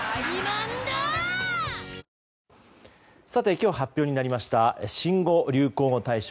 今日、発表になりました新語・流行語大賞。